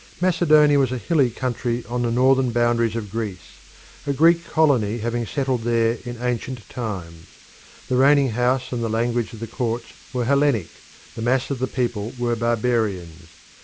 Macedonia was a hilly country on the northern boundaries of Greece; a Greek colony having settled there in ancient times, the reigning house and the language of the courts were Hellenic; the mass of the people were barbarians.